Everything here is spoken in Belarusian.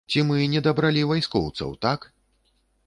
Ці мы не дабралі вайскоўцаў, так?